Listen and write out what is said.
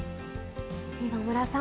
今村さん